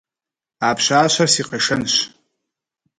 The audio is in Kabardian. А пщащэр си къэшэнщ.